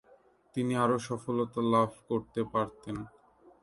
তিনি আরও সফলতা লাভ করতে পারতেন।